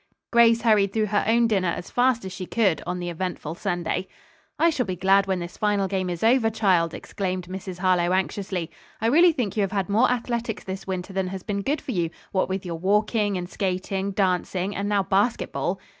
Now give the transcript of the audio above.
Grace hurried through her own dinner as fast as she could, on the eventful Saturday. "I shall be glad when this final game is over, child," exclaimed Mrs. Harlowe anxiously, "I really think you have had more athletics this winter than has been good for you, what with your walking, and skating, dancing, and now basketball."